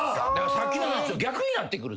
さっきのやつと逆になってくる。